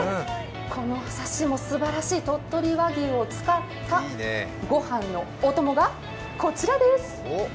このサシもすばらしい鳥取和牛を使ったご飯のお供がこちらです。